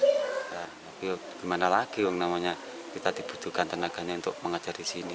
nah tapi gimana lagi kita dibutuhkan tenaganya untuk mengajar di sini